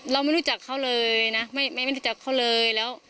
เราไม่รู้จักเขาเลยนะไม่รู้จักเขาเลยแล้ว